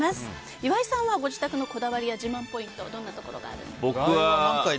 岩井さんはご自宅のこだわりや自慢ポイントどんなところがあるんですか？